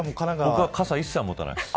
僕は傘、一切持たないです。